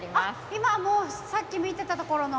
今もうさっき見てたところの。